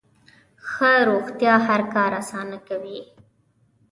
ښه روغتیا هر کار اسانه کوي.